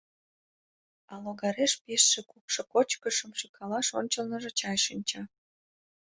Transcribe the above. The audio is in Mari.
А логареш пижше кукшо кочкышым шӱкалаш ончылныжо чай шинча.